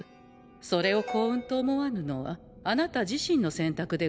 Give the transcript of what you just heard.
それを幸運と思わぬのはあなた自身の選択でござんす。